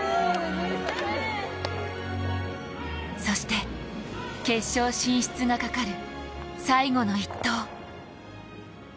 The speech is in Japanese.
そして、決勝進出がかかる最後の一投。